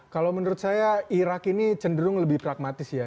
kalau menurut saya irak ini cenderung lebih pragmatis ya